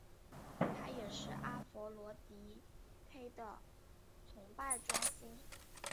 它也是阿佛罗狄忒的崇拜中心。